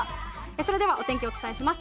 それではお天気をお伝えします。